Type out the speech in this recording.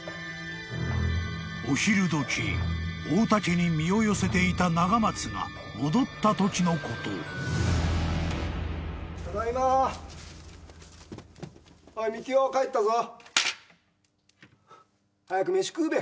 ［お昼時太田家に身を寄せていた長松が戻ったときのこと］早く飯食うべ。